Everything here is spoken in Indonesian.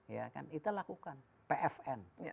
ya kan kita lakukan pfn